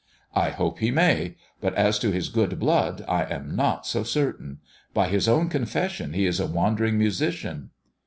"I hope he may; but as to his good blood I am not so certain. By his own confession he is a wandering musician."